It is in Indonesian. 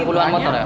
puluhan motor ya